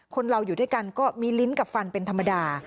คนเราอยู่ด้วยกันก็มีลิ้นกับฟันเป็นธรรมดา